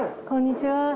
こんにちは。